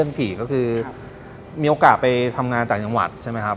ผีก็คือมีโอกาสไปทำงานต่างจังหวัดใช่ไหมครับ